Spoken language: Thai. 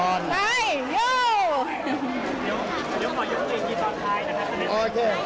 ไปโย